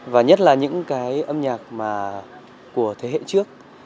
và nhất là những cái âm nhạc mà của thế hệ trước